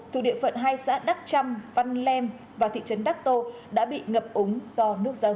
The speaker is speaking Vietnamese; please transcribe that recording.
thủ địa phận hai xã đắc trăm văn lem và thị trấn đắc tô đã bị ngập ống do nước dân